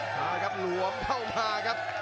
มาครับหลวมเข้ามาครับ